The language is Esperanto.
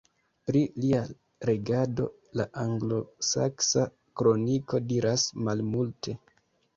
Pri lia regado la Anglosaksa Kroniko diras malmulte.